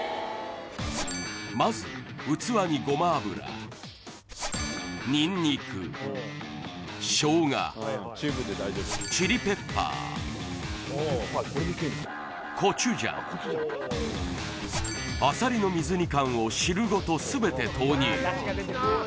まず器にごま油ニンニク生姜チリペッパーコチュジャンあさりの水煮缶を汁ごと全て投入